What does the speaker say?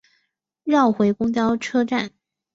绕回公车站